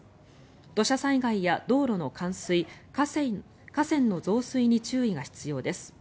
土砂災害や道路の冠水河川の増水に注意が必要です。